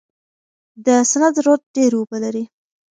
د سند رود ډیر اوبه لري.